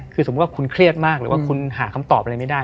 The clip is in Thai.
คือสมมุติว่าคุณเครียดมากหรือว่าคุณหาคำตอบอะไรไม่ได้